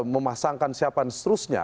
memasangkan siapaan seterusnya